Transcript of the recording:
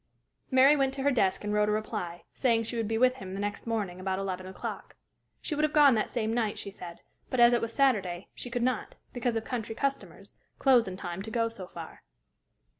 Mary went to her desk and wrote a reply, saying she would be with him the next morning about eleven o'clock. She would have gone that same night, she said, but, as it was Saturday, she could not, because of country customers, close in time to go so far.